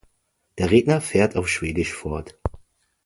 Der Redner fährt auf Schwedisch fort.